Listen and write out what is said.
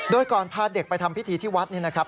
โดยก่อนพาเด็กไปทำพิธีที่วัดนี่นะครับ